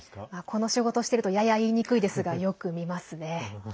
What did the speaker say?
この仕事をしてるとやや言いにくいですがよく見ますね。